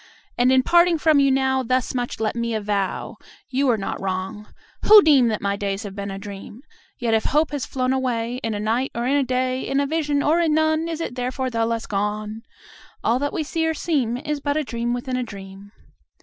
And, in parting from you now, Thus much let me avow You are not wrong, who deem That my days have been a dream: Yet if hope has flown away In a night, or in a day, In a vision or in none, Is it therefore the less gone? All that we see or seem Is but a dream within a dream.